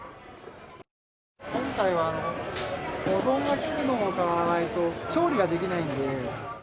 今回は、保存が利くのを買わないと、調理ができないんで。